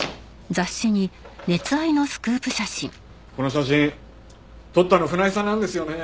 この写真撮ったの船井さんなんですよね。